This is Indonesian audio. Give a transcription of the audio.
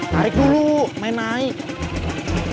tarik dulu main naik